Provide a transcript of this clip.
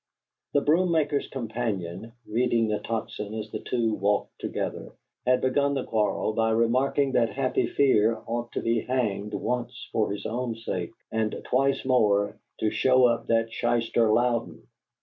The broom maker's companion, reading the Tocsin as the two walked together, had begun the quarrel by remarking that Happy Fear ought to be hanged once for his own sake and twice more "to show up that shyster Louden."